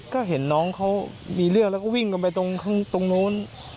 ก็เห็นน้องเขามีเรื่องแล้วก็วิ่งกันไปตรงนู้น